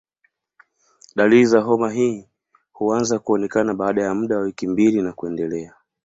Dalili za homa hii huanza kuonekana baada ya muda wa wiki mbili na kuendelea.